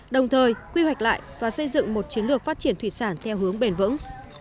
đồng thời quy hoạch lại và xây dựng một chiến lược phát triển thủy sản theo hướng bền vững